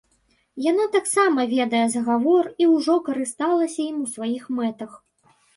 Яна таксама ведае загавор і ўжо карысталася ім у сваіх мэтах.